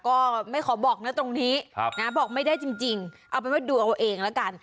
ก็ไม่ขอบอกนะตรงนี้บอกไม่ได้จริงเอาเป็นว่าดูเอาเองแล้วกัน